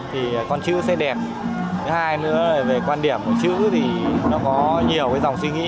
thứ hai nữa là về quan điểm của chữ thì nó có nhiều cái dòng suy nghĩ